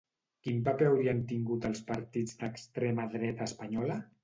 Quin paper haurien tingut els partits d'extrema dreta espanyola?